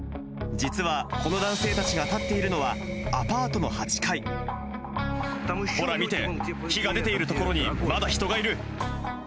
実はこの男性たちが立っているのは、アパートの８階。ほら見て、火が出ている所にまだ人がいる。